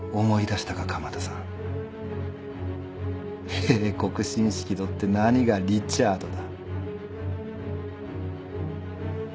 英国紳士気取って何がリチャードだ。